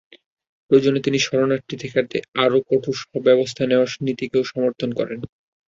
প্রয়োজনে তিনি শরণার্থী ঠেকাতে আরও কঠোর ব্যবস্থা নেওয়ার নীতিকেও সমর্থন করেন।